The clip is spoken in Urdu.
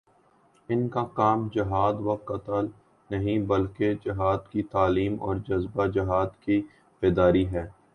ان کا کام جہاد و قتال نہیں، بلکہ جہادکی تعلیم اور جذبۂ جہاد کی بیداری ہے